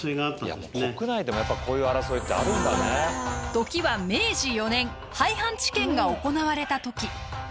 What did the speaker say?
時は明治４年廃藩置県が行われた時。